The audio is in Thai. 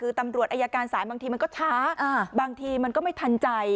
คือตำรวจอายการสายบางทีมันก็ช้าบางทีมันก็ไม่ทันใจ